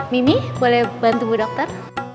mimi boleh bantu bu dokter